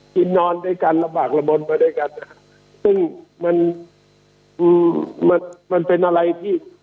กินนอนด้วยกันระบากระบวนไปด้วยกันซึ่งมันมันเป็นอะไรที่